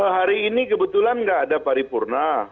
hari ini kebetulan nggak ada paripurna